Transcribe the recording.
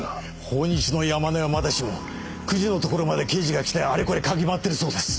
豊日の山根はまだしも久慈のところまで刑事が来てあれこれ嗅ぎ回ってるそうです。